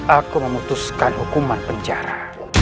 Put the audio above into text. aku memutuskan hukuman penjara